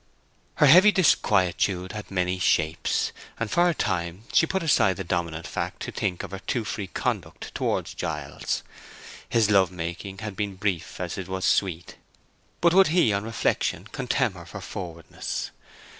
Her heavy disquietude had many shapes; and for a time she put aside the dominant fact to think of her too free conduct towards Giles. His love making had been brief as it was sweet; but would he on reflection contemn her for forwardness?